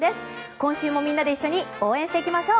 今週もみんなで一緒に応援していきましょう。